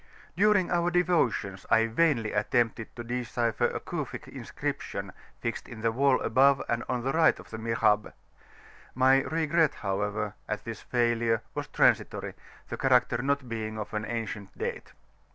During our devotions, I vainly attempted to decipher a Cufic inscription fixed in the wall above and on the right of the Mihrab, my regret however, at this failure was transitory, the character not being of an ancient date.